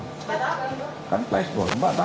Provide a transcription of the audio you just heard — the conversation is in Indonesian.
mbak tahu senjata senjata apa